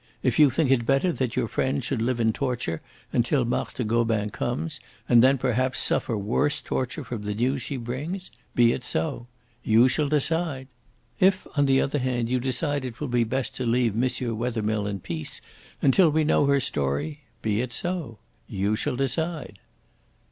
"If you think it better that your friend should live in torture until Marthe Gobin comes, and then perhaps suffer worse torture from the news she brings, be it so. You shall decide. If, on the other hand, you think it will be best to leave M. Wethermill in peace until we know her story, be it so. You shall decide."